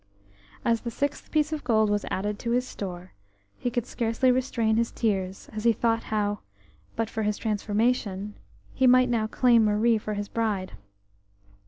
As the sixth piece of gold was added to his store, he could scarcely restrain his tears as he thought how, but for his transformation, he might now claim Marie for his bride.